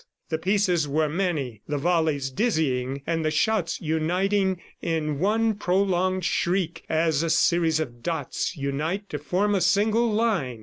The pieces were many, the volleys dizzying, and the shots uniting in one prolonged shriek, as a series of dots unite to form a single line.